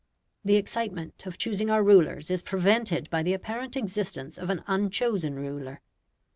The excitement of choosing our rulers is prevented by the apparent existence of an unchosen ruler.